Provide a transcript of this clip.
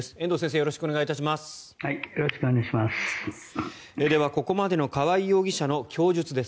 よろしくお願いします。